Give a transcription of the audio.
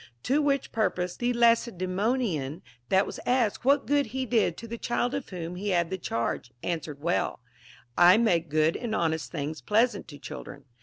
To which purpose the Lacedaemonian, that was asked what good he did to the child of Avhom he had the charge, answered well : I make good and honest things pleasant to children.